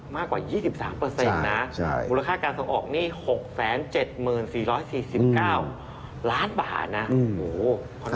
มูลค่าการส่งออก๖๗๐๔๔๙ล้านบาทนะ